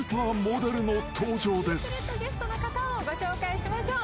シークレットゲストの方をご紹介しましょう。